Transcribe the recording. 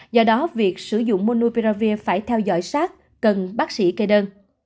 do đó việc sử dụng monuperavir phải theo dõi sát cần bác sĩ kê đơn